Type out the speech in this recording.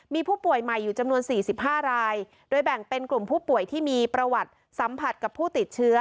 มีผู้ป่วยใหม่อยู่จำนวน๔๕รายโดยแบ่งเป็นกลุ่มผู้ป่วยที่มีประวัติสัมผัสกับผู้ติดเชื้อ